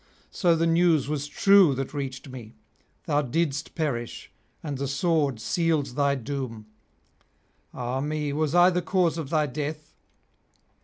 so the news was true that reached me; thou didst perish, and the sword sealed thy doom! Ah me, was I cause of thy death?